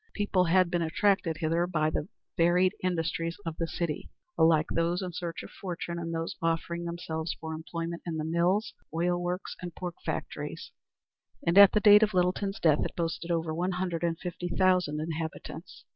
People had been attracted thither by the varied industries of the city alike those in search of fortune, and those offering themselves for employment in the mills, oil works, and pork factories; and at the date of Littleton's death it boasted over one hundred and fifty thousand inhabitants.